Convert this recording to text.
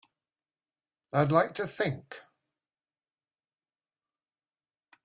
I'd like to think.